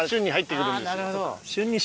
なるほど。